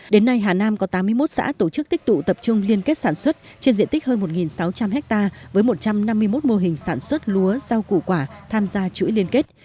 đến nay hà nam có tám mươi một xã tổ chức tích tụ tập trung liên kết sản xuất trên diện tích hơn một sáu trăm linh ha với một trăm năm mươi một mô hình sản xuất lúa rau củ quả tham gia chuỗi liên kết